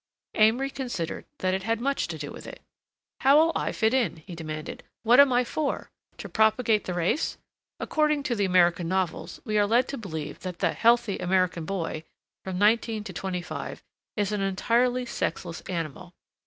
Amory considered that it had much to do with it. "How'll I fit in?" he demanded. "What am I for? To propagate the race? According to the American novels we are led to believe that the 'healthy American boy' from nineteen to twenty five is an entirely sexless animal.